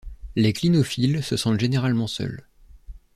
Les clinophiles se sentent généralement seuls.